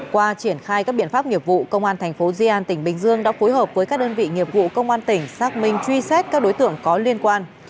qua triển khai các biện pháp nghiệp vụ công an thành phố di an tỉnh bình dương đã phối hợp với các đơn vị nghiệp vụ công an tỉnh xác minh truy xét các đối tượng có liên quan